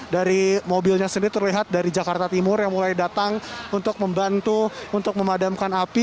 dari mobilnya sendiri terlihat dari jakarta timur yang mulai datang untuk membantu untuk memadamkan api